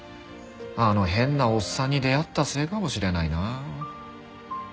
あの変なおっさんに出会ったせいかもしれないな。